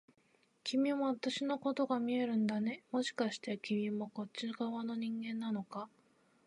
君も私のことが見えるんだね、もしかして君もこっち側の人間なのか？